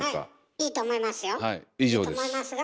いいと思いますが。